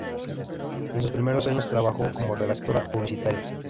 En sus primeros años trabajó como redactora publicitaria.